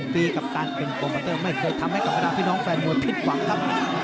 ๔๐ปีกับการเป็นกรองปเตอร์ไม่เคยทำให้กรองเตอร์พี่น้องแฟนมวยพิดหวังครับ